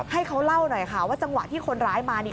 ให้เขาเล่าหน่อยค่ะว่าจังหวะที่คนร้ายมานี่